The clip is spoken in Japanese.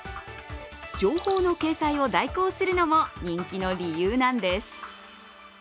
情報の掲載を代行するのも人気の理由なんです。